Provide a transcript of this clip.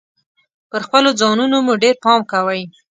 پر خپلو ځانونو مو ډیر پام کوﺉ .